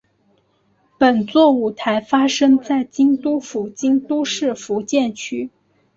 本作舞台发生在京都府京都市伏见区。